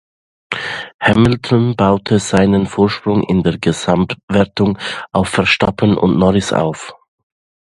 Hamilton baute seinen Vorsprung in der Gesamtwertung auf Verstappen und Norris aus.